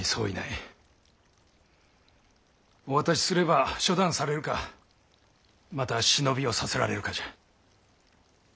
お渡しすれば処断されるかまた忍びをさせられるかじゃ。